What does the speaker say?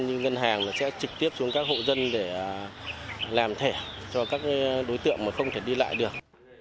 như ngân hàng sẽ trực tiếp xuống các hộ dân để làm thẻ cho các đối tượng mà không thể đi lại được